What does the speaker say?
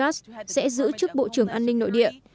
ông alejandro mayorkas sẽ giữ chức bộ trưởng an ninh nội địa